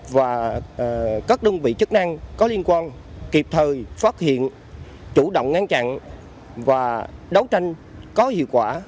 và các đơn vị chức năng có liên quan kịp thời phát hiện chủ động ngăn chặn và đấu tranh có hiệu quả